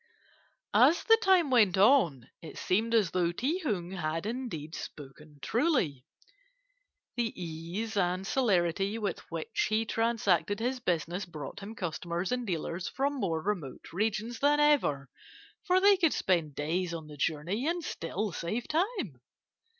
"As the time went on, it seemed as though Ti Hung had indeed spoken truly. The ease and celerity with which he transacted his business brought him customers and dealers from more remote regions than ever, for they could spend days on the journey and still save time.